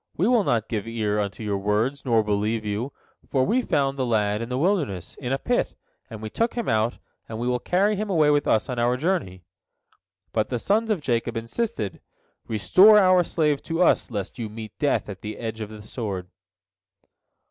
We will not give ear unto your words, nor believe you, for we found the lad in the wilderness, in a pit, and we took him out, and we will carry him away with us on our journey." But the sons of Jacob insisted, "Restore our slave to us, lest you meet death at the edge of the sword."